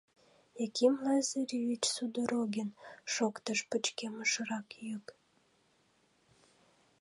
— Яким Лазаревич Судорогин! — шоктыш пычкемышрак йӱк.